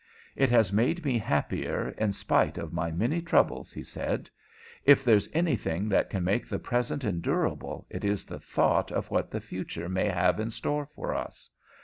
"It has made me happier, in spite of my many troubles," he said. "If there's anything that can make the present endurable it is the thought of what the future may have in store for us.